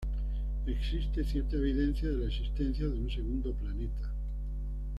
Existe cierta evidencia de la existencia de un segundo planeta.